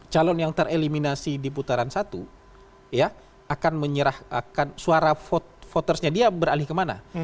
calon yang tereliminasi di putaran satu ya akan menyerahkan suara votersnya dia beralih kemana